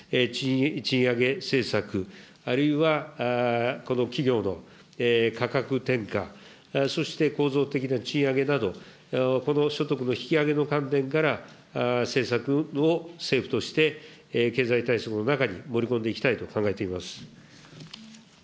賃上げ政策、あるいは企業の価格転嫁、そして構造的な賃上げなど、この所得の引き上げの観点から、政策を政府として経済対策の中に盛り込んでいきたいと考えています。